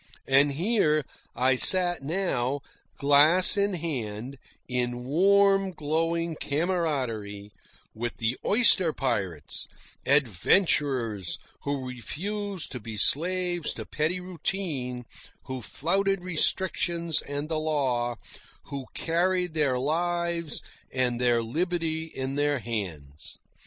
And here I sat now, glass in hand, in warm glowing camaraderie, with the oyster pirates, adventurers who refused to be slaves to petty routine, who flouted restrictions and the law, who carried their lives and their liberty in their hands.